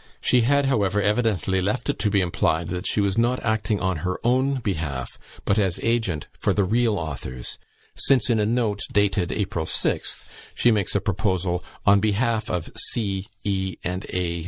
She had, however, evidently left it to be implied that she was not acting on her own behalf, but as agent for the real authors, since in a note dated April 6th, she makes a proposal on behalf of "C., E., and A.